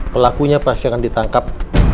pelakunya pasti akan ditangkap